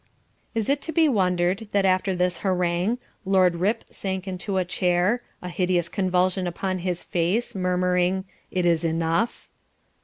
'" Is it to be wondered that after this harangue Lord Rip sank into a chair, a hideous convulsion upon his face, murmuring "It is enough."